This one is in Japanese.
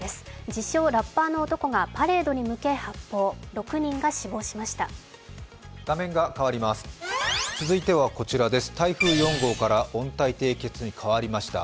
自称・ラッバーの男がパレードに向け発砲、６人が死亡しました。